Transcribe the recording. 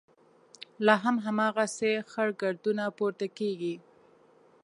لا هم هماغسې خړ ګردونه پورته کېږي.